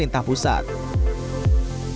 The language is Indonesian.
tanpa tanggung jawab karena li draw pelulu love